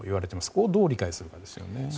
ここをどう理解するかですよね。